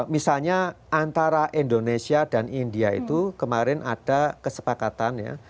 misalnya antara indonesia dan india itu kemarin ada kesepakatan ya